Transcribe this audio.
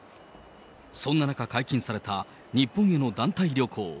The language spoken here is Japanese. そんな中解禁された日本への団体旅行。